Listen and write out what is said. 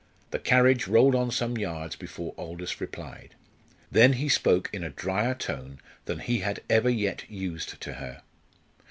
The carriage rolled on some yards before Aldous replied. Then he spoke in a drier tone than he had ever yet used to her.